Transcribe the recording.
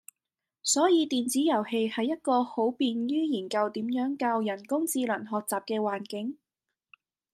所以電子遊戲係一個好便於研究點樣教人工智能學習嘅環境